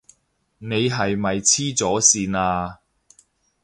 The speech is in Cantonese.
你係咪痴咗線啊？